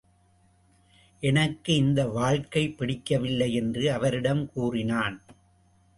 எனக்கு இந்த வாழ்க்கை பிடிக்கவில்லை என்று அவரிடம் கூறினான்.